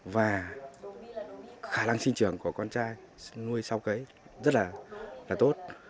và khả năng sinh trường của con trai nuôi sau cấy rất là tốt